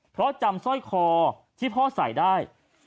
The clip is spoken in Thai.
เพราะจำสร้อยคอที่พ่อใส่ได้